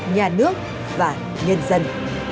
nhà nước và nhân dân